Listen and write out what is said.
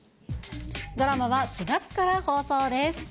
ドラマは４月から放送です。